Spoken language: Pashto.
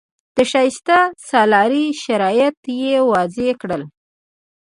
د شایسته سالارۍ شرایط یې وضع کړل.